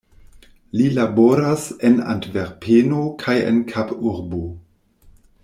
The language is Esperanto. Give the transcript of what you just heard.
Li laboras en Antverpeno kaj en Kaburbo.